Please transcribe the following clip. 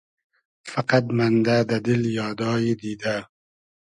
فئقئد مئندۂ دۂ دیل یادای دیدۂ